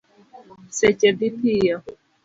Seche dhi piyo